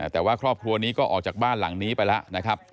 แต่ว่าครอบครัวนี้ก็ออกจากบ้านหลังนี้ไปแล้วนะครับ